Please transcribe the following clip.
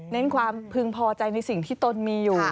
ความพึงพอใจในสิ่งที่ตนมีอยู่